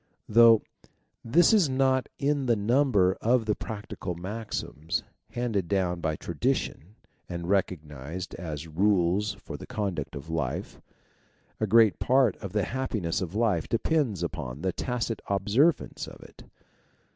Though this is not in the number of the practical maxims handed down by tradition and recognized as rules for the conduct of life, a great part of the hap piness of life depends upon the tacit observance of it.